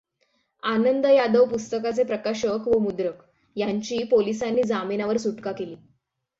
आनंद यादव पुस्तकाचे प्रकाशक व मुद्रक यांची पोलिसांनी जामिनावर सुटका केली.